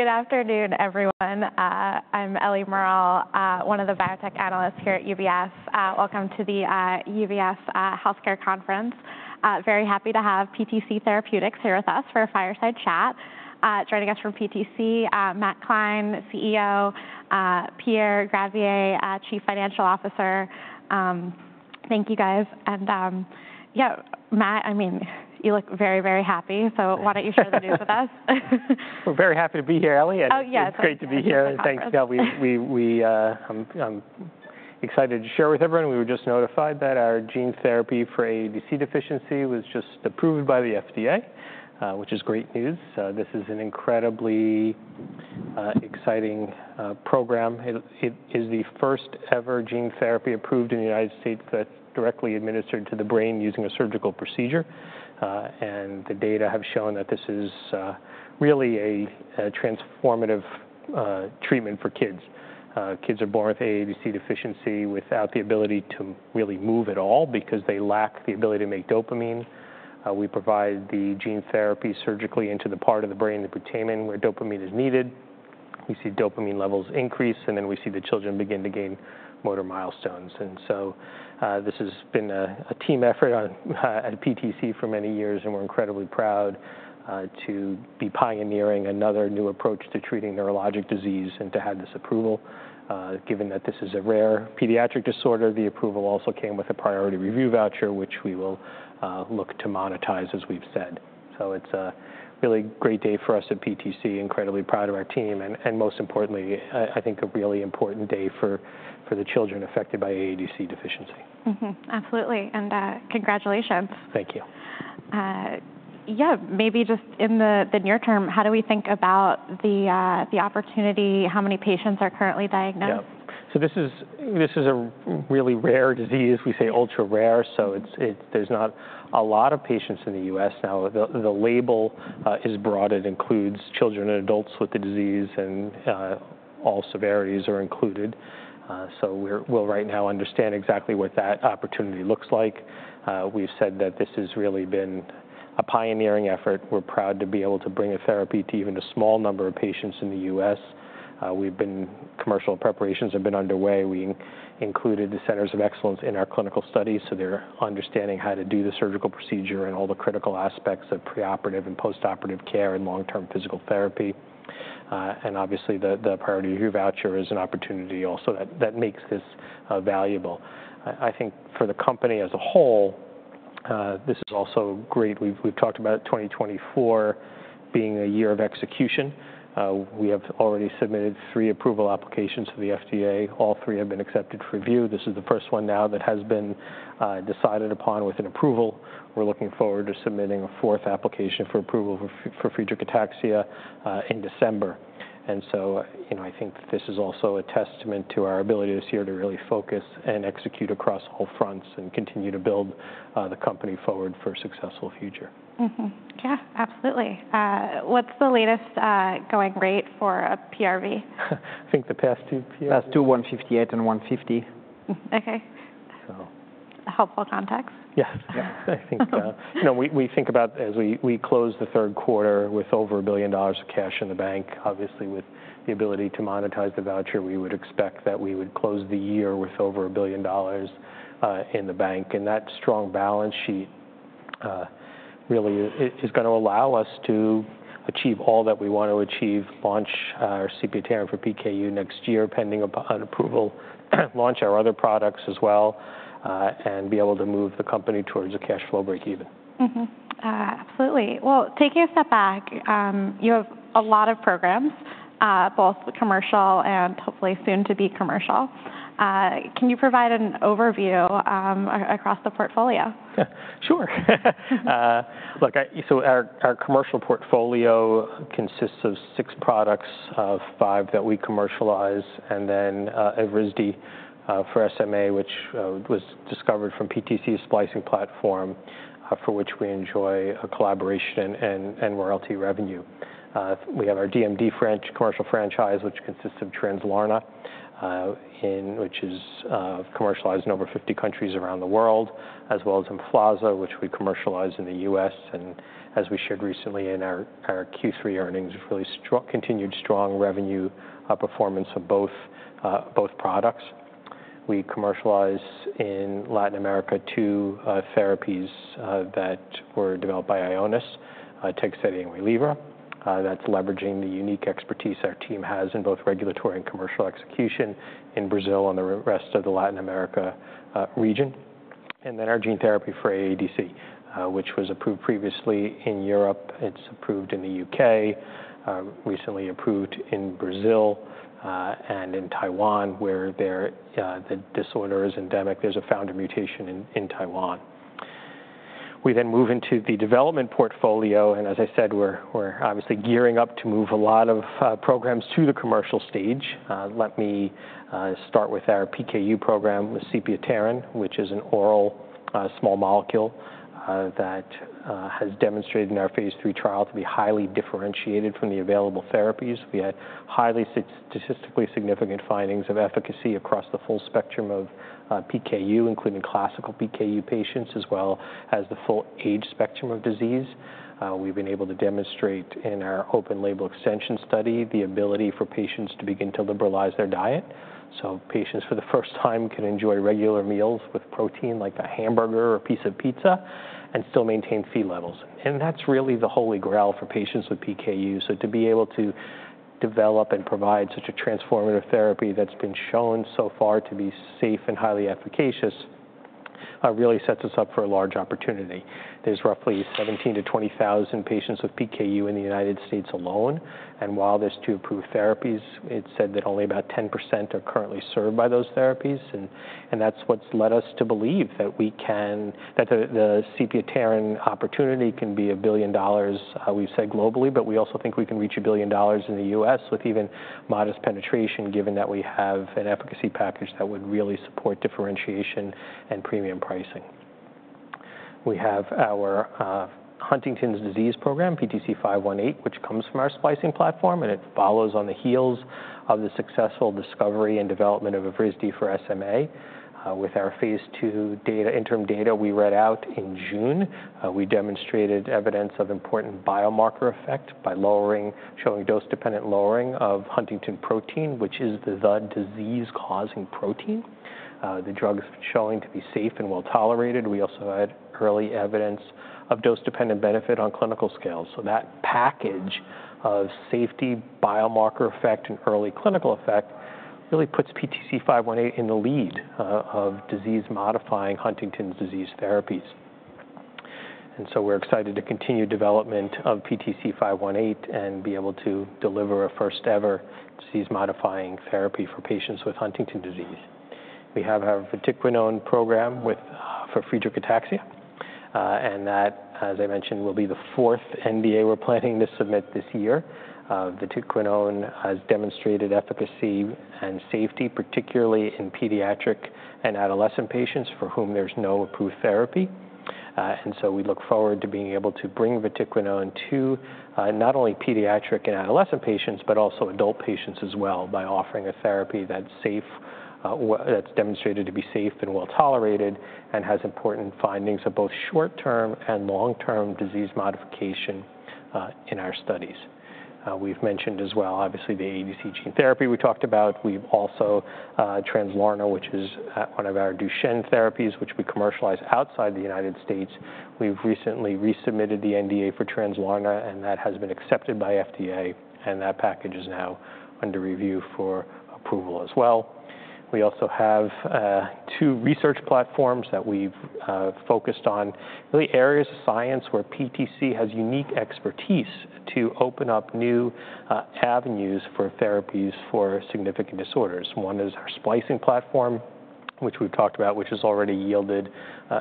Good afternoon, everyone. I'm Ellie Merle, one of the biotech analysts here at UBS. Welcome to the UBS Healthcare Conference. Very happy to have PTC Therapeutics here with us for a fireside chat. Joining us from PTC, Matt Klein, CEO; Pierre Gravier, Chief Financial Officer. Thank you, guys, and yeah, Matt, I mean, you look very, very happy. So why don't you share the news with us? We're very happy to be here, Ellie. Oh, yeah. It's great to be here. Thanks, Ellie. I'm excited to share with everyone. We were just notified that our gene therapy for AADC deficiency was just approved by the FDA, which is great news. This is an incredibly exciting program. It is the first-ever gene therapy approved in the United States that's directly administered to the brain using a surgical procedure. The data have shown that this is really a transformative treatment for kids. Kids are born with AADC deficiency without the ability to really move at all because they lack the ability to make dopamine. We provide the gene therapy surgically into the part of the brain, the putamen, where dopamine is needed. We see dopamine levels increase, and then we see the children begin to gain motor milestones. This has been a team effort at PTC for many years, and we're incredibly proud to be pioneering another new approach to treating neurologic disease and to have this approval. Given that this is a rare pediatric disorder, the approval also came with a priority review voucher, which we will look to monetize, as we've said. It's a really great day for us at PTC, incredibly proud of our team, and most importantly, I think a really important day for the children affected by AADC deficiency. Absolutely. Congratulations. Thank you. Yeah, maybe just in the near term, how do we think about the opportunity? How many patients are currently diagnosed? Yeah. So this is a really rare disease. We say ultra rare. So there's not a lot of patients in the U.S. Now, the label is broad. It includes children and adults with the disease, and all severities are included. So we'll right now understand exactly what that opportunity looks like. We've said that this has really been a pioneering effort. We're proud to be able to bring a therapy to even a small number of patients in the U.S. Commercial preparations have been underway. We included the Centers of Excellence in our clinical studies. So they're understanding how to do the surgical procedure and all the critical aspects of preoperative and postoperative care and long-term physical therapy. And obviously, the Priority Review Voucher is an opportunity also that makes this valuable. I think for the company as a whole, this is also great. We've talked about 2024 being a year of execution. We have already submitted three approval applications to the FDA. All three have been accepted for review. This is the first one now that has been decided upon with an approval. We're looking forward to submitting a fourth application for approval for Friedreich's ataxia in December, and so I think this is also a testament to our ability this year to really focus and execute across all fronts and continue to build the company forward for a successful future. Yeah, absolutely. What's the latest going rate for a PRV? I think the past two PRVs? Last two, 158 and 150. OK. Helpful context. Yes. I think as we close the third quarter with over $1 billion of cash in the bank. Obviously, with the ability to monetize the voucher, we would expect that we would close the year with over $1 billion in the bank. That strong balance sheet really is going to allow us to achieve all that we want to achieve, launch our sepiapterin for PKU next year, pending upon approval, launch our other products as well, and be able to move the company towards a cash flow break-even. Absolutely. Well, taking a step back, you have a lot of programs, both commercial and hopefully soon to be commercial. Can you provide an overview across the portfolio? Yeah, sure. Look, so our commercial portfolio consists of six products, five that we commercialize, and then Evrysdi for SMA, which was discovered from PTC's splicing platform, for which we enjoy a collaboration and royalty revenue. We have our DMD commercial franchise, which consists of Translarna, which is commercialized in over 50 countries around the world, as well as Emflaza, which we commercialize in the U.S. And as we shared recently in our Q3 earnings, really continued strong revenue performance of both products. We commercialize in Latin America two therapies that were developed by Ionis, Tegsedi and Waylivra, that's leveraging the unique expertise our team has in both regulatory and commercial execution in Brazil and the rest of the Latin America region. And then our gene therapy for AADC, which was approved previously in Europe. It's approved in the U.K., recently approved in Brazil and in Taiwan, where the disorder is endemic. There's a founder mutation in Taiwan. We then move into the development portfolio. And as I said, we're obviously gearing up to move a lot of programs to the commercial stage. Let me start with our PKU program with sepiapterin, which is an oral small molecule that has demonstrated in our Phase III trial to be highly differentiated from the available therapies. We had highly statistically significant findings of efficacy across the full spectrum of PKU, including classical PKU patients, as well as the full age spectrum of disease. We've been able to demonstrate in our open label extension study the ability for patients to begin to liberalize their diet. So patients for the first time can enjoy regular meals with protein like a hamburger or a piece of pizza and still maintain Phe levels. And that's really the holy grail for patients with PKU. So to be able to develop and provide such a transformative therapy that's been shown so far to be safe and highly efficacious really sets us up for a large opportunity. There's roughly 17,000-20,000 patients with PKU in the United States alone. And while there's two approved therapies, it's said that only about 10% are currently served by those therapies. And that's what's led us to believe that the sepiapterin opportunity can be $1 billion. We've said globally, but we also think we can reach $1 billion in the U.S. with even modest penetration, given that we have an efficacy package that would really support differentiation and premium pricing. We have our Huntington's disease program, PTC518, which comes from our splicing platform, and it follows on the heels of the successful discovery and development of risdiplam for SMA. With our Phase II data, interim data we read out in June, we demonstrated evidence of important biomarker effect by showing dose-dependent lowering of huntingtin protein, which is the disease-causing protein. The drug is showing to be safe and well tolerated. We also had early evidence of dose-dependent benefit on clinical scales. So that package of safety, biomarker effect, and early clinical effect really puts PTC518 in the lead of disease-modifying Huntington's disease therapies. And so we're excited to continue development of PTC518 and be able to deliver a first-ever disease-modifying therapy for patients with Huntington's disease. We have our vatiquinone program for Friedreich's ataxia. That, as I mentioned, will be the fourth NDA we're planning to submit this year. Vatiquinone has demonstrated efficacy and safety, particularly in pediatric and adolescent patients for whom there's no approved therapy. And so we look forward to being able to bring vatiquinone to not only pediatric and adolescent patients, but also adult patients as well by offering a therapy that's demonstrated to be safe and well tolerated and has important findings of both short-term and long-term disease modification in our studies. We've mentioned as well, obviously, the AADC gene therapy we talked about. We've also Translarna, which is one of our Duchenne therapies, which we commercialize outside the United States. We've recently resubmitted the NDA for Translarna, and that has been accepted by FDA. And that package is now under review for approval as well. We also have two research platforms that we've focused on, really areas of science where PTC has unique expertise to open up new avenues for therapies for significant disorders. One is our splicing platform, which we've talked about, which has already yielded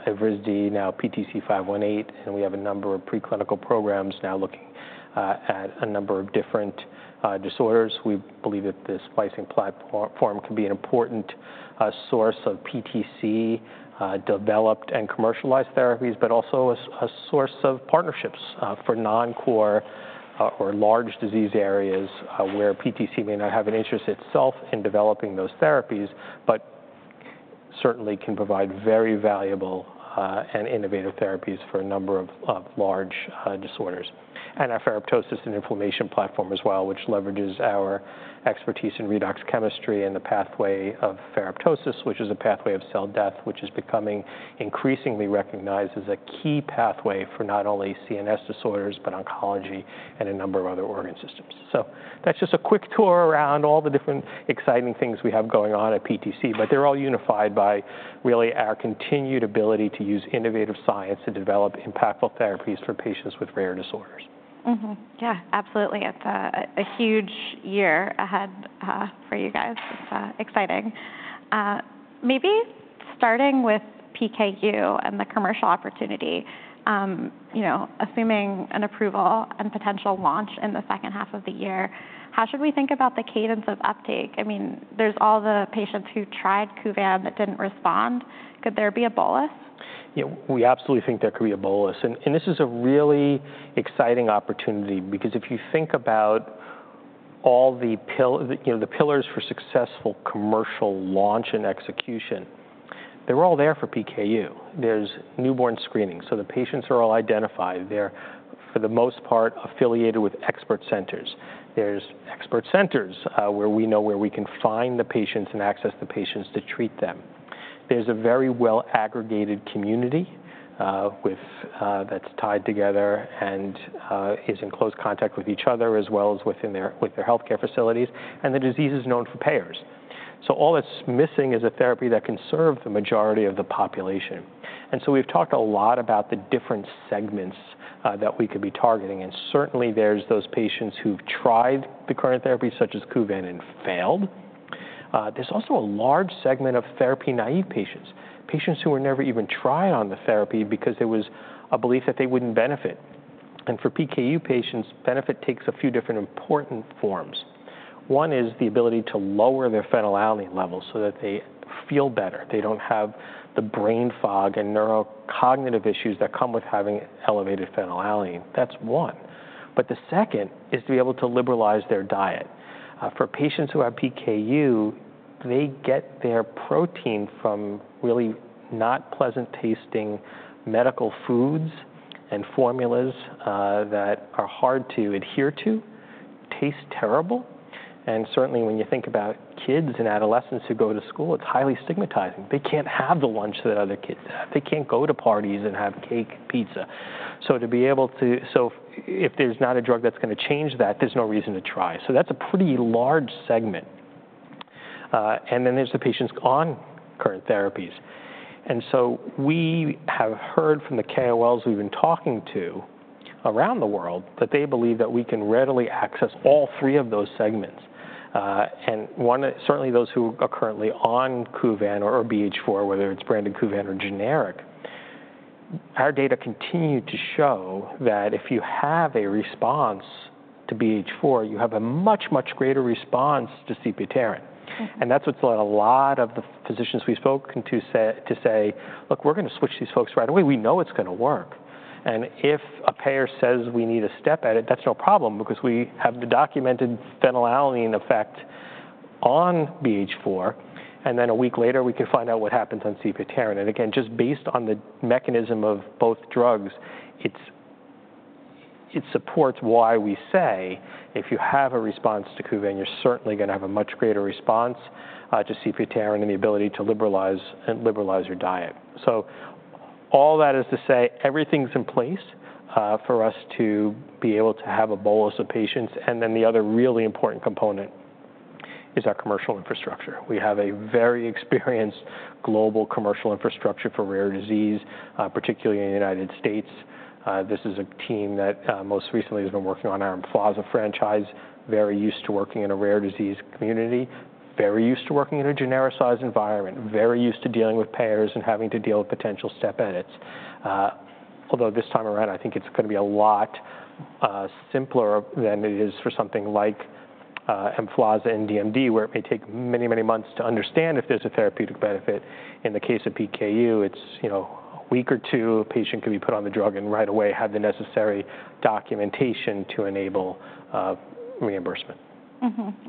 risdiplam, now PTC518. And we have a number of preclinical programs now looking at a number of different disorders. We believe that the splicing platform can be an important source of PTC-developed and commercialized therapies, but also a source of partnerships for non-core or large disease areas where PTC may not have an interest itself in developing those therapies, but certainly can provide very valuable and innovative therapies for a number of large disorders. And our ferroptosis and inflammation platform as well, which leverages our expertise in redox chemistry and the pathway of ferroptosis, which is a pathway of cell death, which is becoming increasingly recognized as a key pathway for not only CNS disorders, but oncology and a number of other organ systems. So that's just a quick tour around all the different exciting things we have going on at PTC. But they're all unified by really our continued ability to use innovative science to develop impactful therapies for patients with rare disorders. Yeah, absolutely. It's a huge year ahead for you guys. It's exciting. Maybe starting with PKU and the commercial opportunity, assuming an approval and potential launch in the second half of the year, how should we think about the cadence of uptake? I mean, there's all the patients who tried Kuvan that didn't respond. Could there be a bolus? We absolutely think there could be a bolus. And this is a really exciting opportunity because if you think about all the pillars for successful commercial launch and execution, they were all there for PKU. There's newborn screening. So the patients are all identified. They're, for the most part, affiliated with expert centers. There's expert centers where we know where we can find the patients and access the patients to treat them. There's a very well-aggregated community that's tied together and is in close contact with each other as well as with their health care facilities. And the disease is known for payers. So all that's missing is a therapy that can serve the majority of the population. And so we've talked a lot about the different segments that we could be targeting. And certainly, there's those patients who've tried the current therapy, such as Kuvan, and failed. There's also a large segment of therapy-naive patients, patients who were never even tried on the therapy because there was a belief that they wouldn't benefit. And for PKU patients, benefit takes a few different important forms. One is the ability to lower their phenylalanine levels so that they feel better. They don't have the brain fog and neurocognitive issues that come with having elevated phenylalanine. That's one. But the second is to be able to liberalize their diet. For patients who have PKU, they get their protein from really not pleasant-tasting medical foods and formulas that are hard to adhere to, taste terrible. And certainly, when you think about kids and adolescents who go to school, it's highly stigmatizing. They can't have the lunch that other kids have. They can't go to parties and have cake and pizza. So to be able to, so if there's not a drug that's going to change that, there's no reason to try. So that's a pretty large segment. And then there's the patients on current therapies. And so we have heard from the KOLs we've been talking to around the world that they believe that we can readily access all three of those segments. And certainly, those who are currently on Kuvan or BH4, whether it's branded Kuvan or generic, our data continue to show that if you have a response to BH4, you have a much, much greater response to sepiapterin. And that's what's led a lot of the physicians we spoke to say, look, we're going to switch these folks right away. We know it's going to work. And if a payer says we need a step at it, that's no problem because we have the documented phenylalanine effect on BH4. And then a week later, we could find out what happens on sepiapterin. And again, just based on the mechanism of both drugs, it supports why we say if you have a response to Kuvan, you're certainly going to have a much greater response to sepiapterin and the ability to liberalize your diet. So all that is to say, everything's in place for us to be able to have a bolus of patients. And then the other really important component is our commercial infrastructure. We have a very experienced global commercial infrastructure for rare disease, particularly in the United States. This is a team that most recently has been working on our Emflaza franchise, very used to working in a rare disease community, very used to working in a genericized environment, very used to dealing with payers and having to deal with potential step edits. Although this time around, I think it's going to be a lot simpler than it is for something like Emflaza and DMD, where it may take many, many months to understand if there's a therapeutic benefit. In the case of PKU, it's a week or two. A patient could be put on the drug and right away have the necessary documentation to enable reimbursement.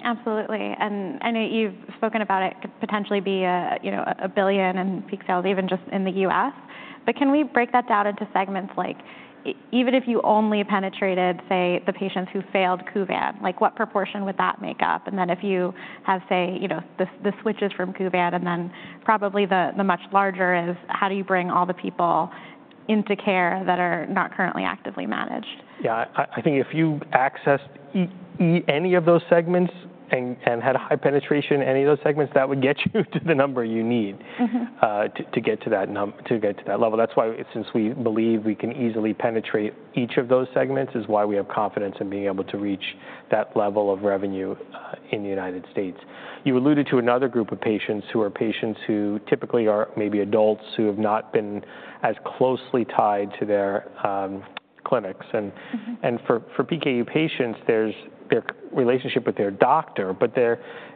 Absolutely. And I know you've spoken about it could potentially be a billion in peak sales, even just in the U.S. But can we break that down into segments? Like, even if you only penetrated, say, the patients who failed Kuvan, what proportion would that make up? And then if you have, say, the switches from Kuvan and then probably the much larger is, how do you bring all the people into care that are not currently actively managed? Yeah, I think if you accessed any of those segments and had a high penetration in any of those segments, that would get you to the number you need to get to that level. That's why, since we believe we can easily penetrate each of those segments, is why we have confidence in being able to reach that level of revenue in the United States. You alluded to another group of patients who are patients who typically are maybe adults who have not been as closely tied to their clinics. And for PKU patients, there's their relationship with their doctor.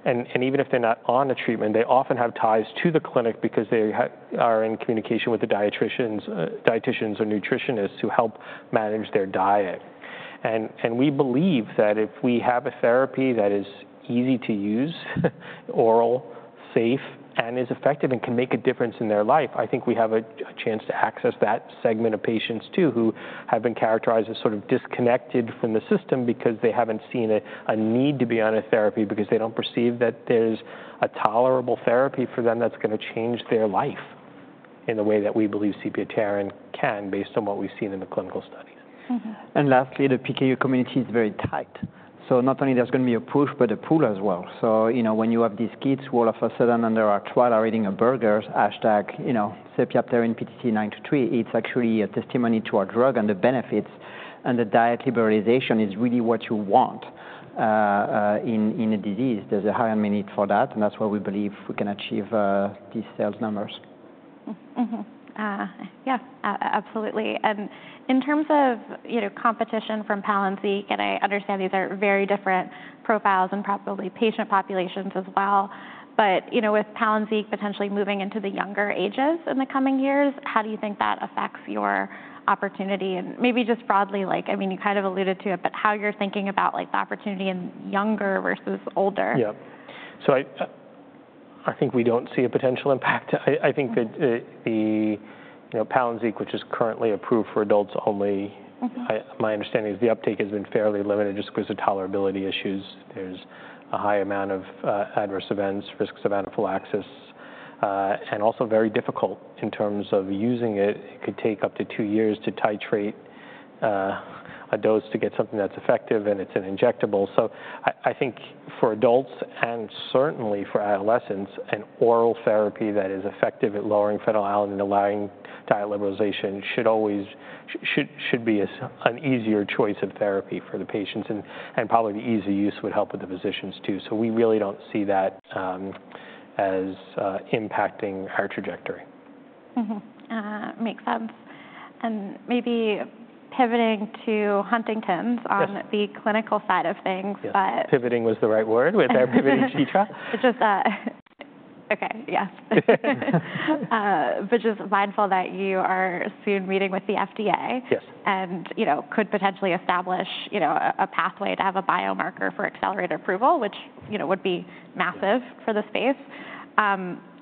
And even if they're not on a treatment, they often have ties to the clinic because they are in communication with the dietitians or nutritionists who help manage their diet. We believe that if we have a therapy that is easy to use, oral, safe, and is effective and can make a difference in their life, I think we have a chance to access that segment of patients too who have been characterized as sort of disconnected from the system because they haven't seen a need to be on a therapy because they don't perceive that there's a tolerable therapy for them that's going to change their life in the way that we believe sepiapterin can, based on what we've seen in the clinical studies. Lastly, the PKU community is very tight. So not only there's going to be a push, but a pull as well. So when you have these kids who all of a sudden, under our trial, are eating a burger, sepiapterin PTC923, it's actually a testimony to our drug and the benefits. And the diet liberalization is really what you want in a disease. There's a high unmet need for that. And that's why we believe we can achieve these sales numbers. Yeah, absolutely. And in terms of competition from Palynziq, and I understand these are very different profiles and probably patient populations as well. But with Palynziq potentially moving into the younger ages in the coming years, how do you think that affects your opportunity? And maybe just broadly, I mean, you kind of alluded to it, but how you're thinking about the opportunity in younger versus older? Yeah. So I think we don't see a potential impact. I think that the Palynziq, which is currently approved for adults only, my understanding is the uptake has been fairly limited just because of tolerability issues. There's a high amount of adverse events, risks of anaphylaxis, and also very difficult in terms of using it. It could take up to two years to titrate a dose to get something that's effective, and it's an injectable. So I think for adults and certainly for adolescents, an oral therapy that is effective at lowering phenylalanine and allowing diet liberalization should be an easier choice of therapy for the patients. And probably the easy use would help with the physicians too. So we really don't see that as impacting our trajectory. Makes sense, and maybe pivoting to Huntington's on the clinical side of things. Pivoting was the right word. Which is, OK, yes. But just mindful that you are soon meeting with the FDA. Yes. Could potentially establish a pathway to have a biomarker for accelerated approval, which would be massive for the space.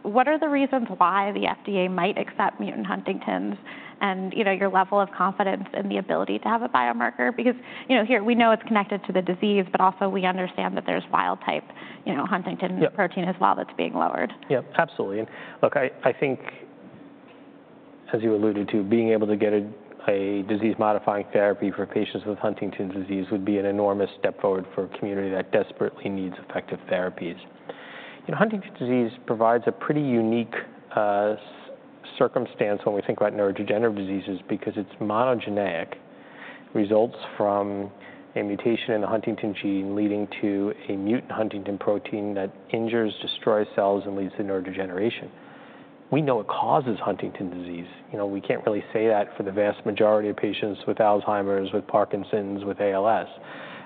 What are the reasons why the FDA might accept mutant Huntingtin and your level of confidence in the ability to have a biomarker? Because here, we know it's connected to the disease, but also we understand that there's wild-type Huntingtin protein as well that's being lowered. Yeah, absolutely. And look, I think, as you alluded to, being able to get a disease-modifying therapy for patients with Huntington's disease would be an enormous step forward for a community that desperately needs effective therapies. Huntington's disease provides a pretty unique circumstance when we think about neurodegenerative diseases because it's monogenic, results from a mutation in the Huntington gene leading to a mutant huntingtin protein that injures, destroys cells, and leads to neurodegeneration. We know it causes Huntington's disease. We can't really say that for the vast majority of patients with Alzheimer's, with Parkinson's, with ALS.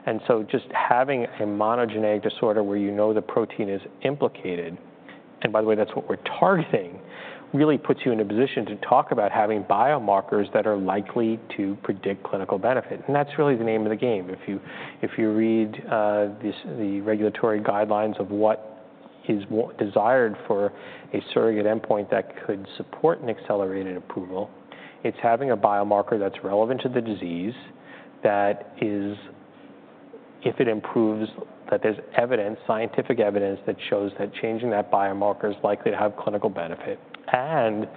And so just having a monogenic disorder where you know the protein is implicated, and by the way, that's what we're targeting, really puts you in a position to talk about having biomarkers that are likely to predict clinical benefit. And that's really the name of the game. If you read the regulatory guidelines of what is desired for a surrogate endpoint that could support an accelerated approval, it's having a biomarker that's relevant to the disease that is, if it improves, that there's evidence, scientific evidence that shows that changing that biomarker is likely to have clinical benefit. And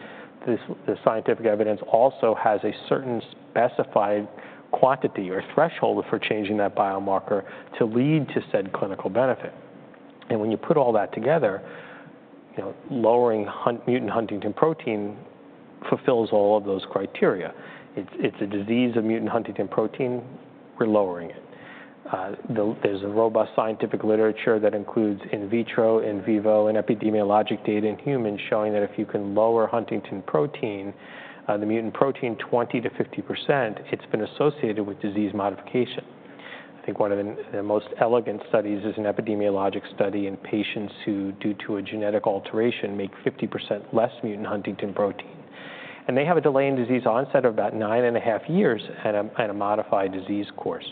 the scientific evidence also has a certain specified quantity or threshold for changing that biomarker to lead to said clinical benefit. And when you put all that together, lowering mutant Huntingtin protein fulfills all of those criteria. It's a disease of mutant Huntingtin protein. We're lowering it. There's a robust scientific literature that includes in vitro, in vivo, and epidemiologic data in humans showing that if you can lower Huntingtin protein, the mutant protein, 20%-50%, it's been associated with disease modification. I think one of the most elegant studies is an epidemiologic study in patients who, due to a genetic alteration, make 50% less mutant Huntingtin protein. And they have a delay in disease onset of about nine and a half years and a modified disease course.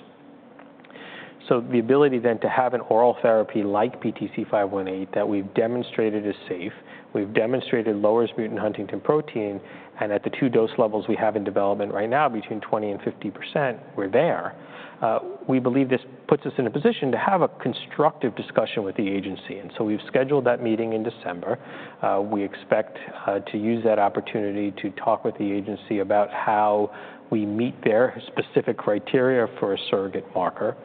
So the ability then to have an oral therapy like PTC518 that we've demonstrated is safe. We've demonstrated lowers mutant Huntingtin protein. And at the two dose levels we have in development right now, between 20% and 50%, we're there. We believe this puts us in a position to have a constructive discussion with the agency. And so we've scheduled that meeting in December. We expect to use that opportunity to talk with the agency about how we meet their specific criteria for a surrogate marker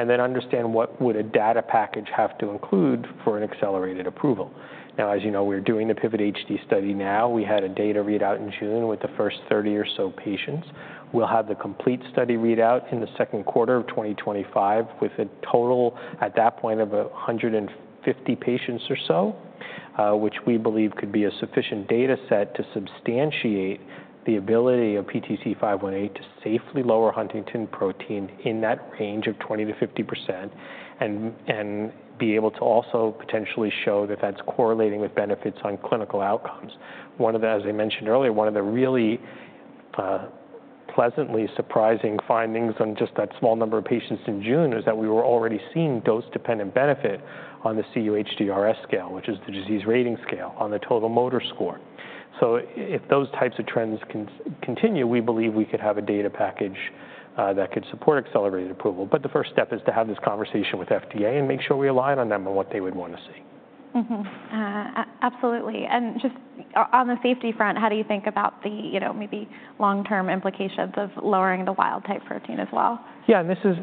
and then understand what would a data package have to include for an accelerated approval. Now, as you know, we're doing the PIVOT-HD study now. We had a data readout in June with the first 30 or so patients. We'll have the complete study readout in the second quarter of 2025 with a total at that point of 150 patients or so, which we believe could be a sufficient data set to substantiate the ability of PTC518 to safely lower huntingtin protein in that range of 20%-50% and be able to also potentially show that that's correlating with benefits on clinical outcomes. As I mentioned earlier, one of the really pleasantly surprising findings on just that small number of patients in June is that we were already seeing dose-dependent benefit on the cUHDRS scale, which is the disease rating scale, on the total motor score. So if those types of trends continue, we believe we could have a data package that could support accelerated approval. But the first step is to have this conversation with FDA and make sure we align on them and what they would want to see. Absolutely. And just on the safety front, how do you think about the maybe long-term implications of lowering the wild-type protein as well? Yeah, and this has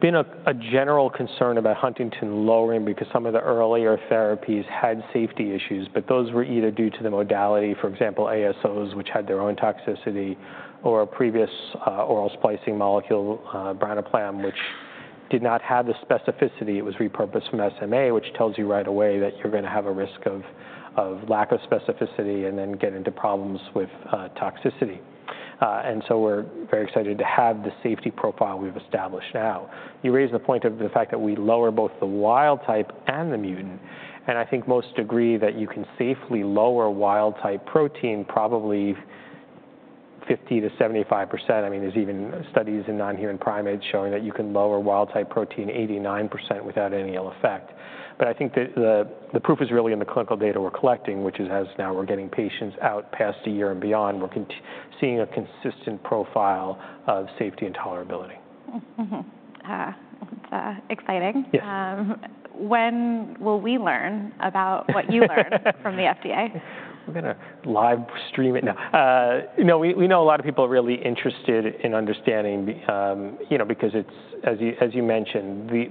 been a general concern about Huntington lowering because some of the earlier therapies had safety issues. But those were either due to the modality, for example, ASOs, which had their own toxicity, or a previous oral splicing molecule, branaplam, which did not have the specificity. It was repurposed from SMA, which tells you right away that you're going to have a risk of lack of specificity and then get into problems with toxicity. And so we're very excited to have the safety profile we've established now. You raise the point of the fact that we lower both the wild-type and the mutant. And I think most agree that you can safely lower wild-type protein probably 50%-75%. I mean, there's even studies in nonhuman primates showing that you can lower wild-type protein 89% without any ill effect. But I think that the proof is really in the clinical data we're collecting, which is as now we're getting patients out past a year and beyond, we're seeing a consistent profile of safety and tolerability. Exciting. Yes. When will we learn about what you learned from the FDA? We're going to live stream it now. We know a lot of people are really interested in understanding because, as you mentioned, the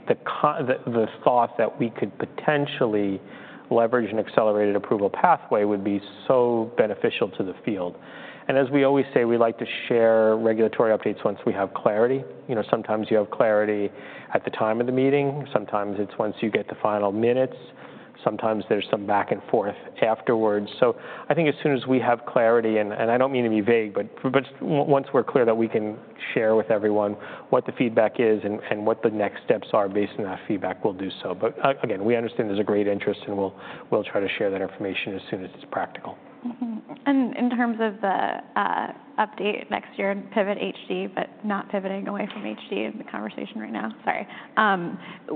thought that we could potentially leverage an accelerated approval pathway would be so beneficial to the field. And as we always say, we like to share regulatory updates once we have clarity. Sometimes you have clarity at the time of the meeting. Sometimes it's once you get the final minutes. Sometimes there's some back and forth afterwards. So I think as soon as we have clarity, and I don't mean to be vague, but once we're clear that we can share with everyone what the feedback is and what the next steps are based on that feedback, we'll do so. But again, we understand there's a great interest, and we'll try to share that information as soon as it's practical. In terms of the update next year and PIVOT-HD, but not pivoting away from HD in the conversation right now, sorry,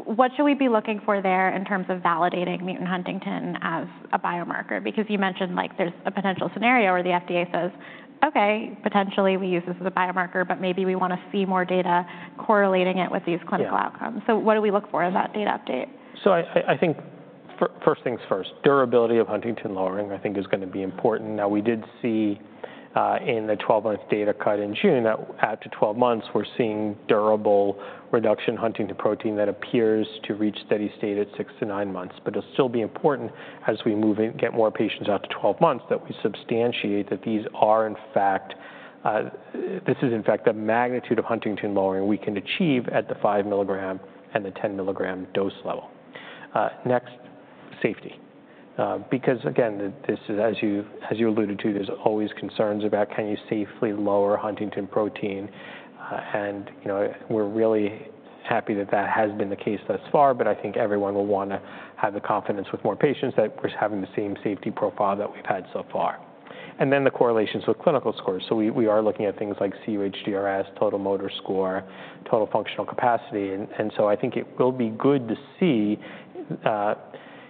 what should we be looking for there in terms of validating mutant Huntingtin as a biomarker? Because you mentioned there's a potential scenario where the FDA says, OK, potentially we use this as a biomarker, but maybe we want to see more data correlating it with these clinical outcomes. What do we look for in that data update? So I think first things first, durability of Huntington lowering, I think, is going to be important. Now, we did see in the 12-month data cut in June that after 12 months, we're seeing durable reduction in huntingtin protein that appears to reach steady state at six to nine months. But it'll still be important as we get more patients out to 12 months that we substantiate that these are, in fact, this is, in fact, the magnitude of Huntington lowering we can achieve at the five-milligram and the 10-milligram dose level. Next, safety. Because again, as you alluded to, there's always concerns about can you safely lower huntingtin protein. And we're really happy that that has been the case thus far. But I think everyone will want to have the confidence with more patients that we're having the same safety profile that we've had so far. And then the correlations with clinical scores. We are looking at things like cUHDRS, total motor score, total functional capacity. I think it will be good to see.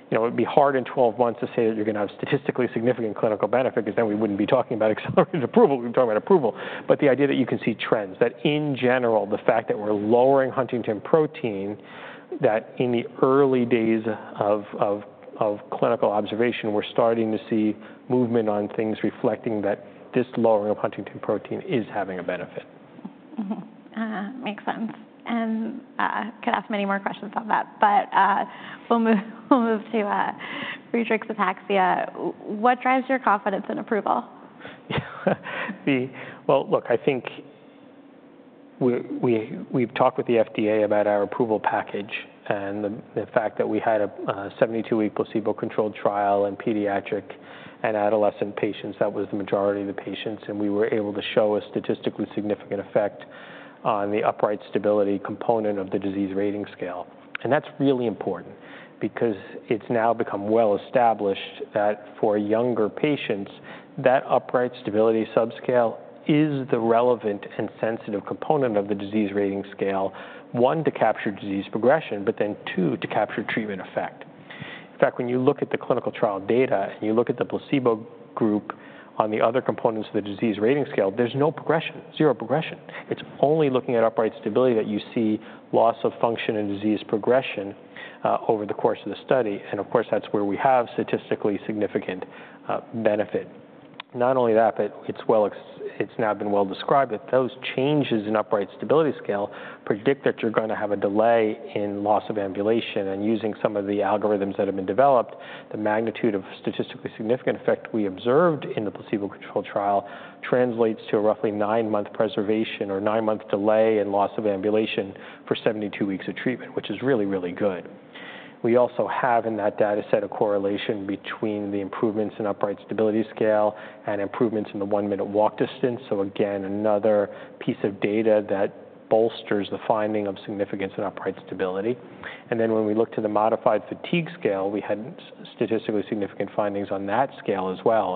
It would be hard in 12 months to say that you are going to have statistically significant clinical benefit because then we would not be talking about accelerated approval. We would be talking about approval. The idea that you can see trends, that in general, the fact that we are lowering huntingtin protein, that in the early days of clinical observation, we are starting to see movement on things reflecting that this lowering of huntingtin protein is having a benefit. Makes sense. And could ask many more questions on that. But we'll move to Friedreich's ataxia. What drives your confidence in approval? Look, I think we've talked with the FDA about our approval package and the fact that we had a 72-week placebo-controlled trial in pediatric and adolescent patients. That was the majority of the patients. We were able to show a statistically significant effect on the upright stability component of the disease rating scale. That's really important because it's now become well established that for younger patients, that upright stability subscale is the relevant and sensitive component of the disease rating scale, one, to capture disease progression, but then two, to capture treatment effect. In fact, when you look at the clinical trial data and you look at the placebo group on the other components of the disease rating scale, there's no progression, zero progression. It's only looking at upright stability that you see loss of function and disease progression over the course of the study. Of course, that's where we have statistically significant benefit. Not only that, but it's now been well described that those changes in upright stability scale predict that you're going to have a delay in loss of ambulation. Using some of the algorithms that have been developed, the magnitude of statistically significant effect we observed in the placebo-controlled trial translates to a roughly nine-month preservation or nine-month delay in loss of ambulation for 72 weeks of treatment, which is really, really good. We also have in that data set a correlation between the improvements in upright stability scale and improvements in the one-minute walk distance. Again, another piece of data that bolsters the finding of significance in upright stability. Then when we look to the modified fatigue scale, we had statistically significant findings on that scale as well.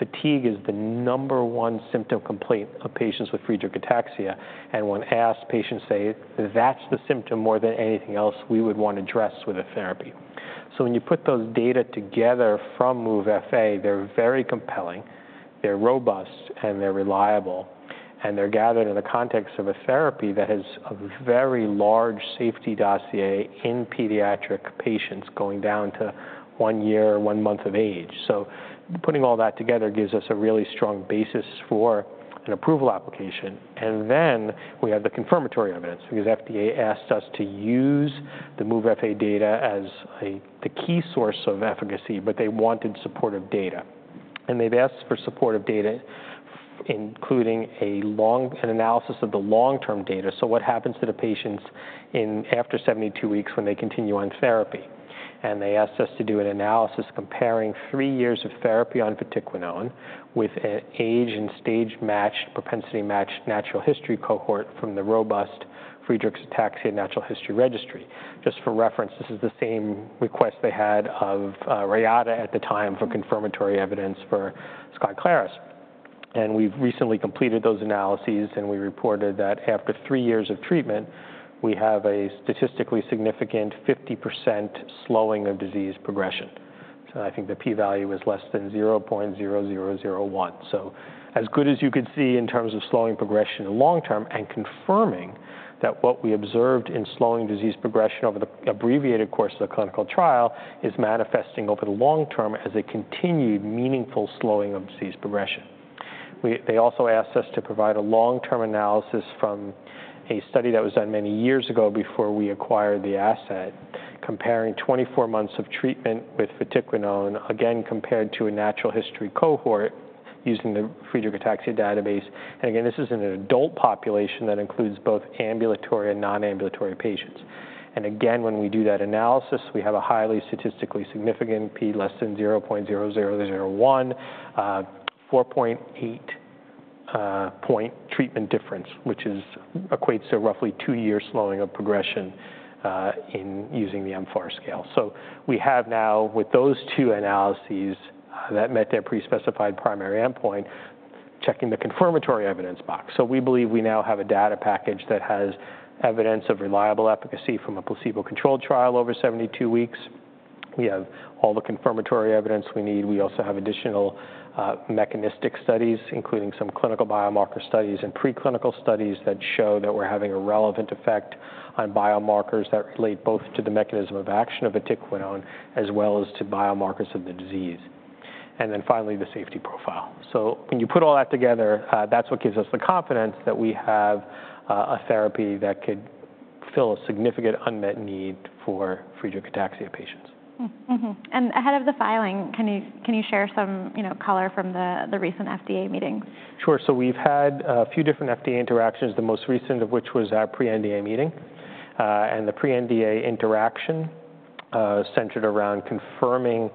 Fatigue is the number one symptom complaint of patients with Friedreich's ataxia. When asked, patients say that's the symptom more than anything else we would want to address with a therapy. So when you put those data together from MOVE-FA, they're very compelling. They're robust, and they're reliable. And they're gathered in the context of a therapy that has a very large safety dossier in pediatric patients going down to one year, one month of age. So putting all that together gives us a really strong basis for an approval application. And then we have the confirmatory evidence because FDA asked us to use the MOVE-FA data as the key source of efficacy, but they wanted supportive data. And they've asked for supportive data, including an analysis of the long-term data. So what happens to the patients after 72 weeks when they continue on therapy? And they asked us to do an analysis comparing three years of therapy on vatiquinone with an age and stage matched, propensity matched natural history cohort from the robust Friedreich's ataxia natural history registry. Just for reference, this is the same request they had of Reata at the time for confirmatory evidence for Skyclarys. And we've recently completed those analyses. And we reported that after three years of treatment, we have a statistically significant 50% slowing of disease progression. So I think the p-value was less than 0.0001. So as good as you could see in terms of slowing progression in the long term and confirming that what we observed in slowing disease progression over the abbreviated course of the clinical trial is manifesting over the long term as a continued meaningful slowing of disease progression. They also asked us to provide a long-term analysis from a study that was done many years ago before we acquired the asset, comparing 24 months of treatment with vatiquinone, again, compared to a natural history cohort using the Friedreich's ataxia database. And again, this is in an adult population that includes both ambulatory and non-ambulatory patients. And again, when we do that analysis, we have a highly statistically significant p less than 0.0001, 4.8-point treatment difference, which equates to roughly two years slowing of progression in using the mFARS. So we have now, with those two analyses that met their pre-specified primary endpoint, checking the confirmatory evidence box. So we believe we now have a data package that has evidence of reliable efficacy from a placebo-controlled trial over 72 weeks. We have all the confirmatory evidence we need. We also have additional mechanistic studies, including some clinical biomarker studies and preclinical studies that show that we're having a relevant effect on biomarkers that relate both to the mechanism of action of vatiquinone as well as to biomarkers of the disease, and then finally, the safety profile, so when you put all that together, that's what gives us the confidence that we have a therapy that could fill a significant unmet need for Friedreich's ataxia patients. Ahead of the filing, can you share some color from the recent FDA meetings? Sure. So we've had a few different FDA interactions, the most recent of which was our pre-NDA meeting. And the pre-NDA interaction centered around confirming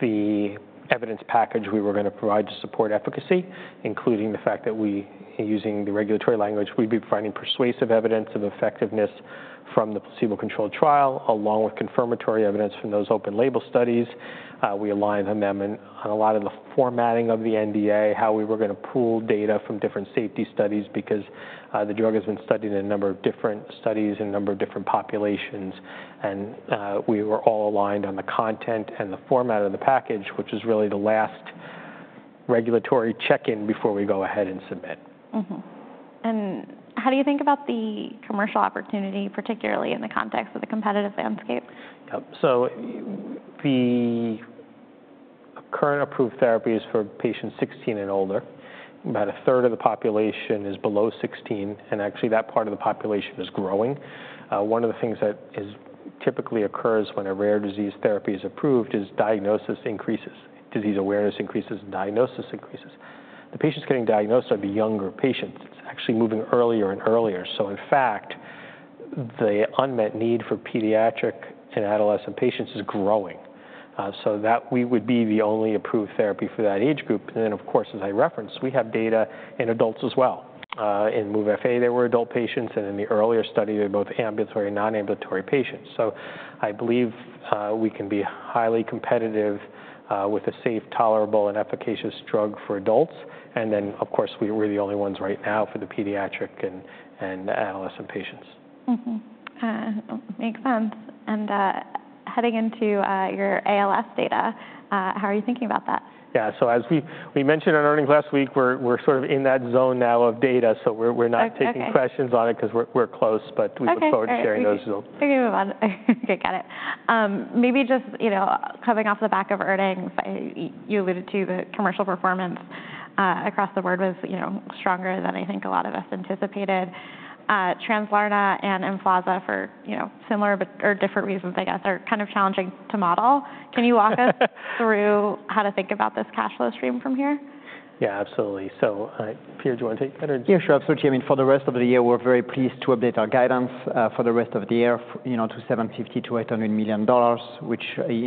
the evidence package we were going to provide to support efficacy, including the fact that we, using the regulatory language, we'd be providing persuasive evidence of effectiveness from the placebo-controlled trial, along with confirmatory evidence from those open label studies. We aligned on a lot of the formatting of the NDA, how we were going to pool data from different safety studies because the drug has been studied in a number of different studies in a number of different populations. And we were all aligned on the content and the format of the package, which is really the last regulatory check-in before we go ahead and submit. How do you think about the commercial opportunity, particularly in the context of the competitive landscape? The current approved therapy is for patients 16 and older. About a third of the population is below 16. And actually, that part of the population is growing. One of the things that typically occurs when a rare disease therapy is approved is diagnosis increases, disease awareness increases, and diagnosis increases. The patients getting diagnosed are the younger patients. It's actually moving earlier and earlier. So in fact, the unmet need for pediatric and adolescent patients is growing so that we would be the only approved therapy for that age group. And then, of course, as I referenced, we have data in adults as well. In MOVE-FA, there were adult patients. And in the earlier study, there were both ambulatory and non-ambulatory patients. So I believe we can be highly competitive with a safe, tolerable, and efficacious drug for adults. Then, of course, we're the only ones right now for the pediatric and adolescent patients. Makes sense. And heading into your ALS data, how are you thinking about that? Yeah. So as we mentioned on earnings last week, we're sort of in that zone now of data. So we're not taking questions on it because we're close. But we look forward to sharing those results. We can move on. OK, got it. Maybe just coming off the back of earnings, you alluded to the commercial performance across the board was stronger than I think a lot of us anticipated. Translarna and Emflaza for similar or different reasons, I guess, are kind of challenging to model. Can you walk us through how to think about this cash flow stream from here? Yeah, absolutely. So Pierre, do you want to take that? Yeah, sure. Absolutely. I mean, for the rest of the year, we're very pleased to update our guidance for the rest of the year to $750 million-$800 million, which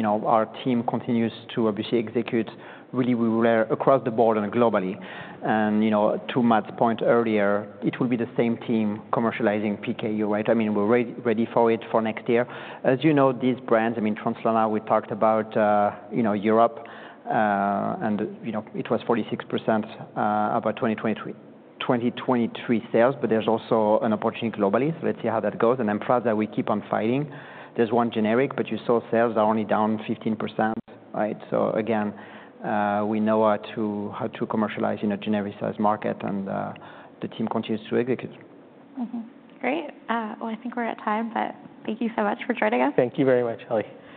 our team continues to obviously execute really across the board and globally. And to Matt's point earlier, it will be the same team commercializing PKU, right? I mean, we're ready for it for next year. As you know, these brands, I mean, Translarna, we talked about Europe. And it was 46% about 2023 sales. But there's also an opportunity globally. So let's see how that goes. And I'm proud that we keep on fighting. There's one generic, but you saw sales are only down 15%, right? So again, we know how to commercialize in a generic size market. And the team continues to execute. Great. Well, I think we're at time. But thank you so much for joining us. Thank you very much, Ellie.